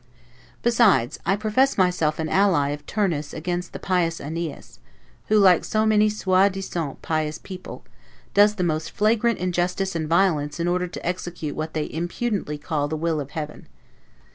Besides, I profess myself an ally of Turnus against the pious AEneas, who, like many 'soi disant' pious people, does the most flagrant injustice and violence in order to execute what they impudently call the will of Heaven.